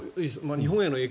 日本への影響。